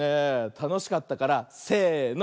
たのしかったからせの。